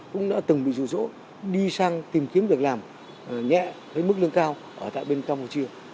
cũng đã từng bị rủ rỗ đi sang tìm kiếm việc làm nhẹ với mức lương cao ở tại bên campuchia